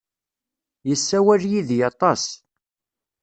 Yessawal yid-i aṭas.